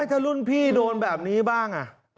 ถ้ารุ่นพี่โดนแบบนี้บ้าง